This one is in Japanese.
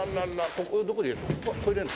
ここどこで入れるの？